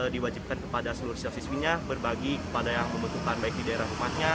diwajibkan kepada seluruh sia siswinya berbagi kepada yang membutuhkan baik di daerah rumahnya